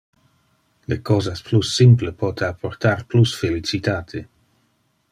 le cosas plus simple pote apportar plus felicitate.